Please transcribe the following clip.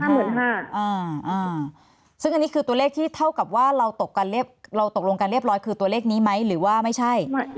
อันนี้คือตัวเลขที่เท่ากับว่าเราตกลงกันเรียบร้อยคือตัวเลขนี้ไหมหรือว่าไม่ใช่